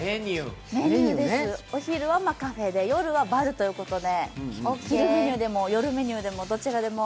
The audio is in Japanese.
お昼はカフェで夜はバルということで、昼メニューでも夜メニューでもどちらでも。